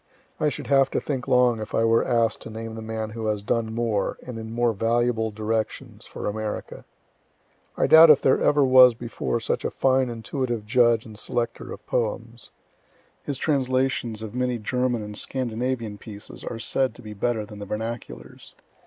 I should have to think long if I were ask'd to name the man who has done more, and in more valuable directions, for America. I doubt if there ever was before such a fine intuitive judge and selecter of poems. His translations of many German and Scandinavian pieces are said to be better than the vernaculars.